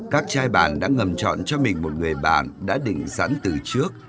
các trai bạn đã ngầm chọn cho mình một người bạn đã định sẵn từ trước